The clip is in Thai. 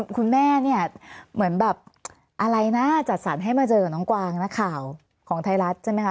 คุณแม่เนี่ยเหมือนแบบอะไรนะจัดสรรให้มาเจอกับน้องกวางนักข่าวของไทยรัฐใช่ไหมคะ